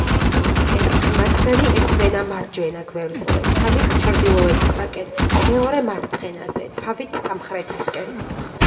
ერთი მათგანი ესვენა მარჯვენა გვერდზე, თავით ჩრდილოეთისაკენ, მეორე მარცხენაზე, თავით სამხრეთისკენ.